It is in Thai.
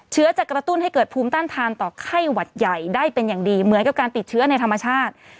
เชื้อจะกระตุ้นให้เกิดภูมิต้านทานต่อไข้หวัดใหญ่ได้เป็นอย่างดีเหมือนกับการติดเชื้อในธรรมชาติ